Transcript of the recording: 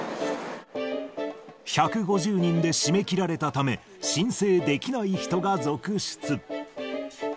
１５０人で締め切られたため、申請できない人が続出。